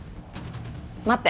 待って。